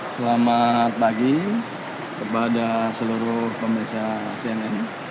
selamat pagi kepada seluruh pemirsa cnn